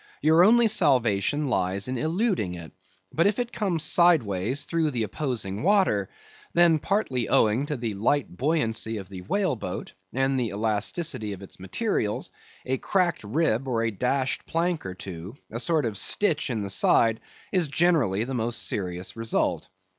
Your only salvation lies in eluding it; but if it comes sideways through the opposing water, then partly owing to the light buoyancy of the whale boat, and the elasticity of its materials, a cracked rib or a dashed plank or two, a sort of stitch in the side, is generally the most serious result.